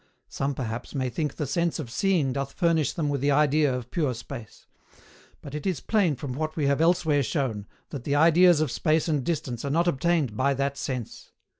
Some, perhaps, may think the sense of seeing doth furnish them with the idea of pure space; but it is plain from what we have elsewhere shown, that the ideas of space and distance are not obtained by that sense.